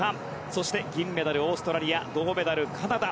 そして銀メダル、オーストラリア銅メダル、カナダ。